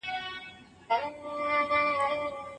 د اسلامي پراختیایي بانک څنګه له افغانستان سره مالي مرستې کوي؟